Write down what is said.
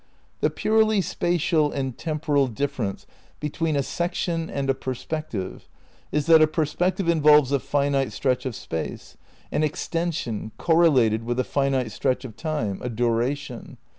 The purely spatial and temporal differ V THE CEITICAL PREPARATIONS 173 ence between a section and a perspective is that a perspective involves a finite stretch of Space, an extension, correlated with a finite stretch of Time, a duration.